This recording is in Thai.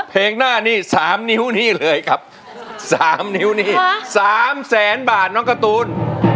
เพลงหน้านี้๓นิ้วนี่เลยครับ๓นิ้วนี้๓แสนบาทน้องการ์ตูน